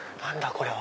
これは。